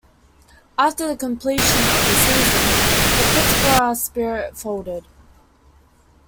After the completion of the season, the Pittsburgh Spirit folded.